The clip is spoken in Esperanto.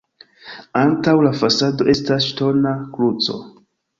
Antaŭ la fasado estas ŝtona kruco.